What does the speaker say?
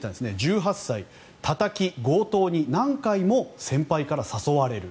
１８歳たたき、強盗に何回も先輩から誘われる。